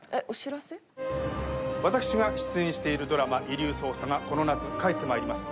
私が出演しているドラマ『遺留捜査』がこの夏帰って参ります。